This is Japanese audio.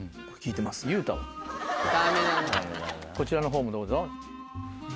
こちらの方もどうぞ。